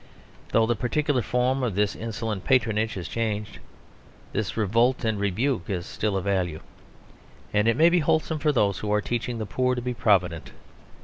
Though the particular form of this insolent patronage has changed, this revolt and rebuke is still of value, and may be wholesome for those who are teaching the poor to be provident.